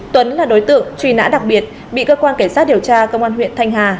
tuấn là đối tượng truy nã đặc biệt bị cơ quan cảnh sát điều tra công an huyện thanh hà